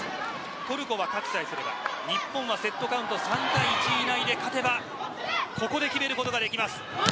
トルコは勝てば日本はセットカウント３−１以内で勝てばここで決めることができます。